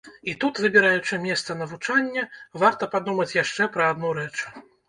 І тут, выбіраючы месца навучання, варта падумаць яшчэ пра адну рэч.